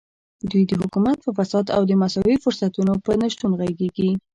دوی د حکومت په فساد او د مساوي فرصتونو پر نشتون غږېږي.